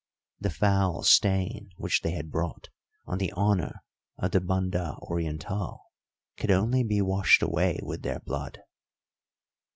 The foul stain which they had brought on the honour of the Banda Orientál could only be washed away with their blood.